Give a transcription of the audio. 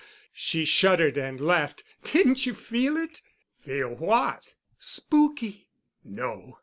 She shuddered and laughed. "Didn't you feel it?" "Feel what?" "Spooky." "No.